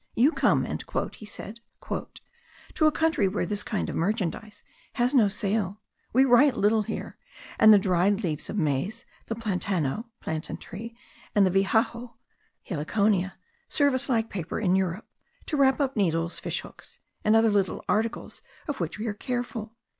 "You come," said he, "to a country where this kind of merchandise has no sale; we write little here; and the dried leaves of maize, the platano (plantain tree), and the vijaho (heliconia), serve us, like paper in Europe, to wrap up needles, fish hooks, and other little articles of which we are careful."